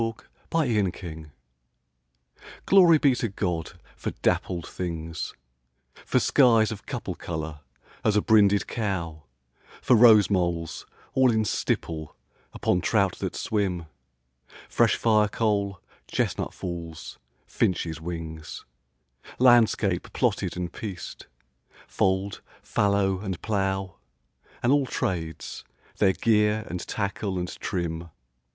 13 Pied Beauty GLORY be to God for dappled things For skies of couple colour as a brinded cow; For rose moles all in stipple upon trout that swim: Fresh firecoal chestnut falls; finches' wings; Landscape plotted and pieced fold, fallow, and plough; And àll tràdes, their gear and tackle and trim.